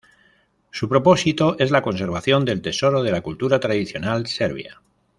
Su propósito es la conservación del tesoro de la cultura tradicional serbia.